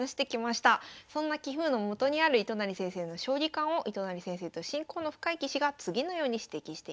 そんな棋風のもとにある糸谷先生の将棋観を糸谷先生と親交の深い棋士が次のように指摘しています。